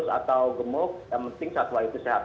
satwa yang kurus atau gemuk yang penting satwa itu sehat